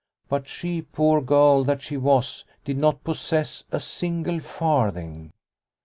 But she, poor girl that she was, did not possess a single farthing.